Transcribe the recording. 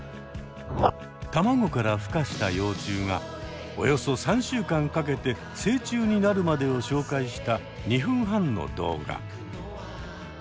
卵からふ化した幼虫がおよそ３週間かけて成虫になるまでを紹介した２分半の動画。